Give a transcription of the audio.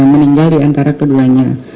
meninggal diantara keduanya